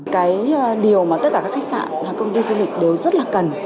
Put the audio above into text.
cái điều mà tất cả các khách sạn công ty du lịch đều rất là cần